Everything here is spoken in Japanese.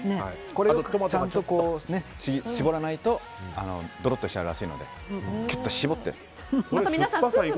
ちゃんと絞らないとどろっとしちゃうらしいのできゅっと絞って。